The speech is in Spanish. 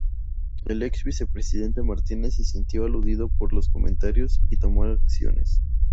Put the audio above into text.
El ex vicepresidente Martínez se sintió aludido por los comentarios, y tomó acciones.